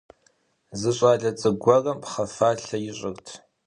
Зы щӏалэ цӏыкӏу гуэрым пхъэ фалъэ ищӏырт.